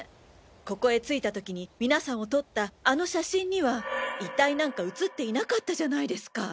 ここへ着いた時に皆さんを撮ったあの写真には遺体なんか写っていなかったじゃないですか！